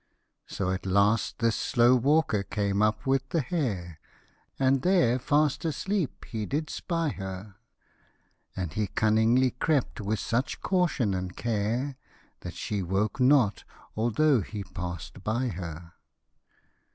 So at last this slow walkdr came up with the hare, And there fast asleep he did spy her ; And he cunningly crept with such caution and care, That she woke not, although he passed by her.